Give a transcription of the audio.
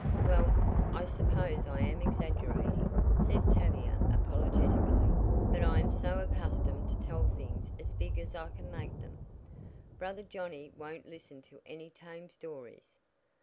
"Well, I suppose I am exaggerating," said Tavia apologetically, "but I am so accustomed to tell things as big as I can make them. Brother Johnnie won't listen to any tame stories."